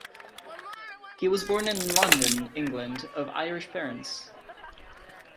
He was born in London, England, of Irish parents.